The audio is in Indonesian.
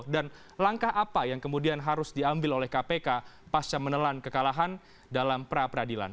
dan langkah apa yang kemudian harus diambil oleh kpk pasca menelan kekalahan dalam pra peradilan